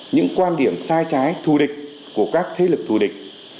những quan điểm sai trái thù địch của các thế lực thù địch